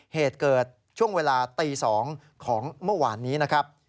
เหตุเกิดช่วงเวลาตี๒ของเมื่อวานนี้นะครับ